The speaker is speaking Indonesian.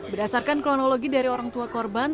berdasarkan kronologi dari orang tua korban